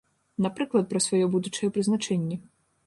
Напрыклад, пра сваё будучае прызначэнне.